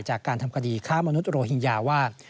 จากการทำคดีฆ่ามนุษยโรหิงญาว่า